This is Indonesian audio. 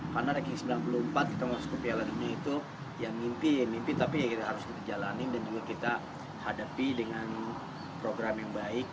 karena dari seribu sembilan ratus sembilan puluh empat kita masuk ke piala dunia itu mimpi mimpi tapi kita harus berjalanin dan juga kita hadapi dengan program yang baik